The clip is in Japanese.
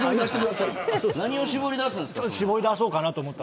何を絞り出すんですか。